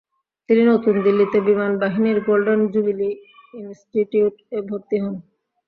তিনি নতুন দিল্লীতে বিমান বাহিনীর গোল্ডেন জুবিলী ইন্সিটিউট-এ ভর্তি হন।